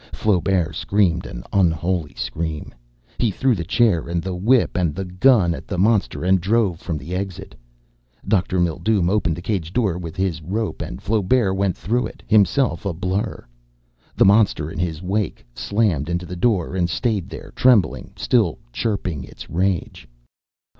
Flaubert screamed an unholy scream. He threw the chair and the whip and the gun at the monster and dove from the exit. Dr. Mildume opened the cage door with his rope and Flaubert went through it himself a blur. The monster, in his wake, slammed into the door and stayed there, trembling, still chirping its rage.